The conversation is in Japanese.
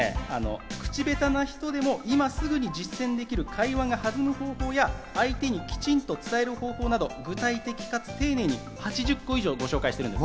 これは口ベタな人でも今すぐ実践できる会話が弾む方法や相手にきちんと伝える方法など具体的かつ丁寧に８０個以上、ご紹介しているんです。